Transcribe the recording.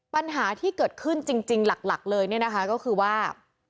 ปัญหาที่เกิดขึ้นจริงหลักเลยเนี่ยนะคะก็คือว่า